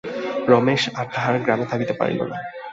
রমেশ আর তাহার গ্রামে থাকিতে পারিল না।